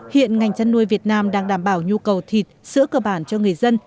hiện ngành chăn nuôi việt nam đang đảm bảo nhu cầu thịt sữa cơ bản cho người dân